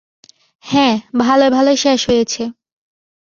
হ্যাঁ, ভালোয় ভালোয় শেষ হয়েছে।